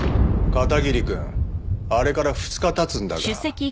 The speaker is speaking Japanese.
片桐くんあれから２日経つんだが。